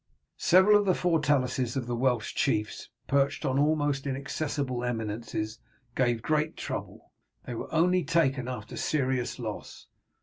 Several of the fortalices of the Welsh chiefs, perched on almost inaccessible eminences, gave great trouble, and were only taken after serious loss.